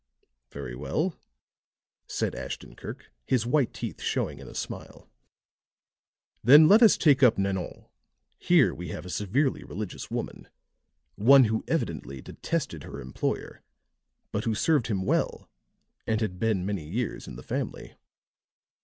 "Very well," said Ashton Kirk, his white teeth showing in a smile. "Then let us take up Nanon. Here we have a severely religious woman one who evidently detested her employer, but who served him well and had been many years in the family."